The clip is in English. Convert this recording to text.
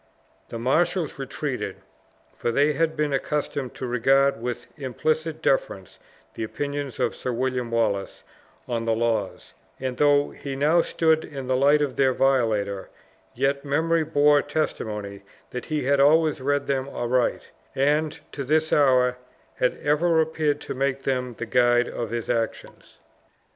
The marshals retreated, for they had been accustomed to regard with implicit deference the opinion of Sir William Wallace on the laws; and though he now stood in the light of their violator, yet memory bore testimony that he had always read them aright, and, to this hour, had ever appeared to make them the guide of his actions.